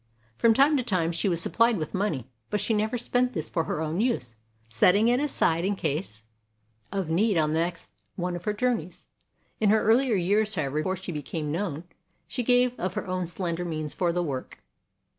From time to time she was supplied with money, but she never spent this for her own use, setting it aside in case 36 WOMEN OF ACHIEVEMENT of need on the next one of her journeys. In her earlier years, however, before she became known, she gave of her own slender means for the work.